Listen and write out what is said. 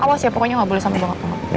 awas ya pokoknya gak boleh sama bengap bengap